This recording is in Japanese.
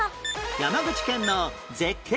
山口県の絶景問題